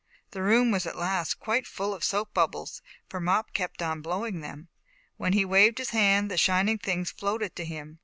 The room at last was quite full of soap bubbles, for Mop kept on blowing them. When he waved his hand, the shining things floated to him.